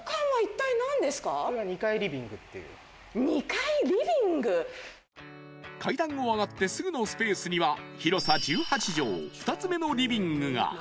２階リビング⁉［階段を上がってすぐのスペースには広さ１８畳２つ目のリビングが］